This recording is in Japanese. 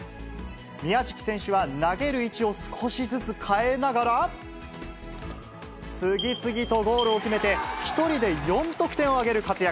宮食選手は投げる位置を少しずつ変えながら、次々とゴールを決めて、１人で４得点を挙げる活躍。